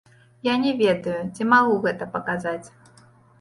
Я не ведаю, ці магу гэта паказаць.